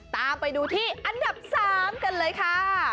ตามไปดูที่อันดับ๓กันเลยค่ะ